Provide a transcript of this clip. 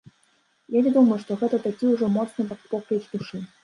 Я не думаю, што гэта такі ўжо моцны покліч душы.